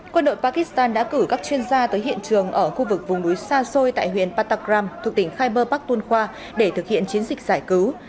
quân đội pakistan đã cử các chuyên gia tới hiện trường ở khu vực vùng núi sa soi tại huyện patakram thuộc tỉnh khai bơ bắc tuân khoa để thực hiện chiến dịch giải cứu